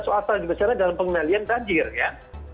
soal soal yang dibesarkan dalam pengenalian banjir ya